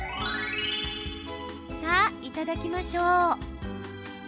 さあ、いただきましょう！